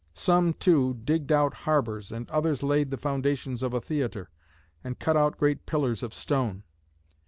Some, too, digged out harbours, and others laid the foundations of a theatre, and cut out great pillars of stone.